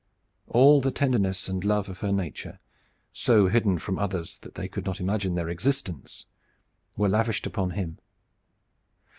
All the tenderness and love of her nature, so hidden from others that they could not imagine their existence, were lavished upon him.